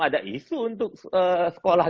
ada isu untuk sekolah